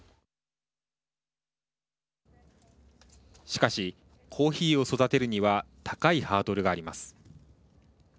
しかし、コーヒーを育てるには高いハードルがあります。